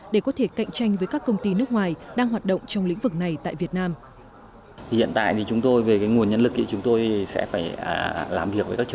để có thể cạnh tranh với các công ty nước ngoài đang hoạt động trong lĩnh vực này tại việt nam